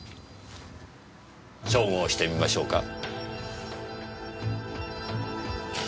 照合してみましょうか？